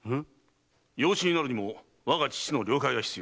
養子になるにも我が父の了解が必要。